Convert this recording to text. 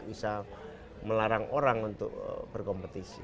bisa melarang orang untuk berkompetisi